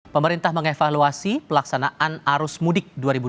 pemerintah mengevaluasi pelaksanaan arus mudik dua ribu dua puluh